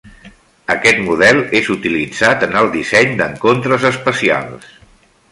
Aquest model és utilitzat en el disseny d'encontres espacials.